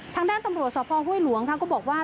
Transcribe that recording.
ทางด้านตำรวจสภห้วยหลวงก็บอกว่า